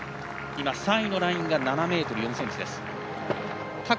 ３位のラインが７ｍ４ｃｍです。